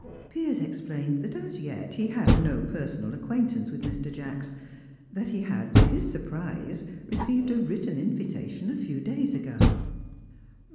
Piers explained that as yet he had no personal acquaintance with Mr. Jacks; that he had, to his surprise, received a written invitation a few days ago.